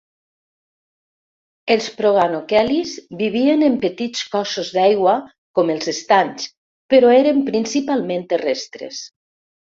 Els "proganochelys" vivien en petits cossos d'aigua com els estanys, però eren principalment terrestres.